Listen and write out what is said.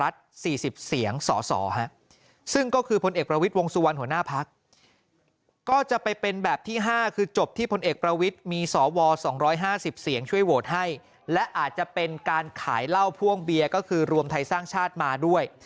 ๒๕๐เสียงช่วยโหวตให้และอาจจะเป็นการขายเหล้าพ่วงเบียก็คือรวมไทยสร้างชาติมาด้วย